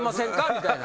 みたいな。